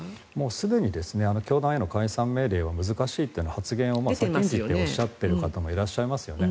すでに教団への解散命令は難しいという発言をおっしゃっている方もいらっしゃいますよね。